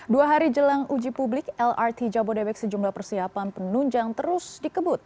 dua hari jelang uji publik lrt jabodebek sejumlah persiapan penunjang terus dikebut